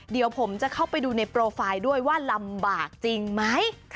เดี๋ยวผมจะเข้าไปดูในโปรไฟล์ด้วยว่าลำบากจริงไหม